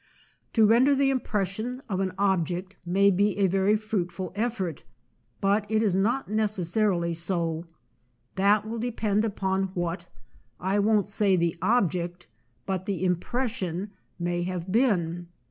To render the impression of an ob ject may be a very fruitful effort, but it is not necessarilj so; that will depend upon what, I won't say the object, but the im pression, may have been.